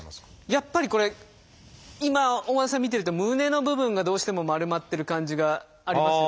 やっぱりこれ今大和田さん見てると胸の部分がどうしても丸まってる感じがありますよね。